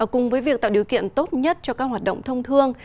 cùng với việc tạo điều kiện tốt nhất cho các hoạt động thông thương